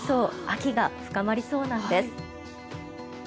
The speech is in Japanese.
秋が深まりそうなんです。